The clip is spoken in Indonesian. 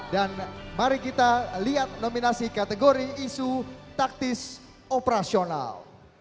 dan mari kita lihat nominasi kategori isu taktis operasional